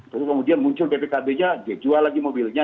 terus kemudian muncul bpkb nya dia jual lagi mobilnya